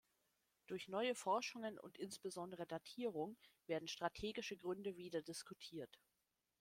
Durch neue Forschungen und insbesondere Datierung werden strategische Gründe wieder diskutiert.